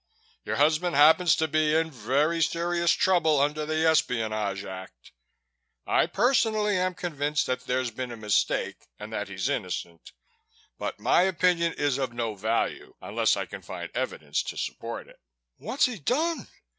Your husband happens to be in very serious trouble under the Espionage Act. I personally am convinced that there's been a mistake and that he's innocent, but my opinion is of no value unless I can find evidence to support it." "What's he done?"